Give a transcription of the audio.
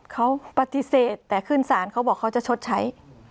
เขาปฏิเสธแต่ขึ้นศาลเขาบอกเขาจะชดใช้